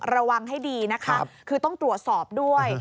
ระวังให้ดีนะคะคือต้องตรวจสอบด้วย